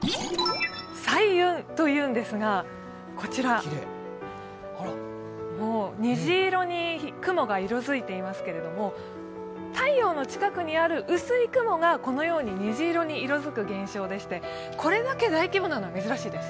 彩雲というんですが、虹色に雲が色づいていますけれども、太陽の近くにある薄い雲が虹色に色づく現象でして、これだけ大規模なのは珍しいです。